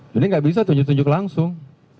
jadi gak bisa tunjuk tunjuk langsung